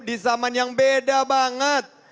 di zaman yang beda banget